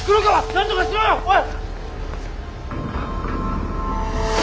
なんとかしろよおい！